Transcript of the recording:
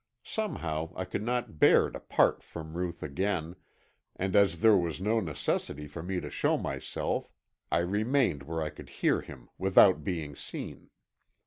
Somehow I could not bear to part from Ruth again and as there was no necessity for me to show myself, I remained where I could hear him without being seen.